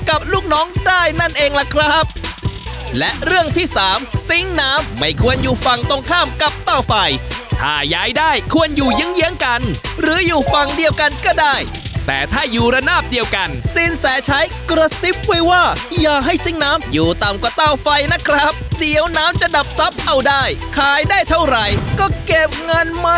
อันนี้ก็ผิดลางน้ำจริงไม่ต้องมีตัวปิดโอ้โหอย่างนี้นี่เอง